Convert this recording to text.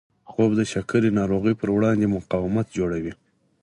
خوب د شکر ناروغۍ پر وړاندې مقاومت جوړوي